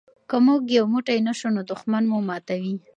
که موږ یو موټی نه شو نو دښمن مو ماتوي.